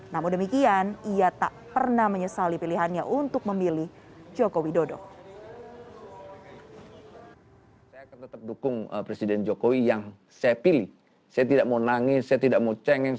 namun demikian ia tak pernah menyesali pilihannya untuk memilih joko widodo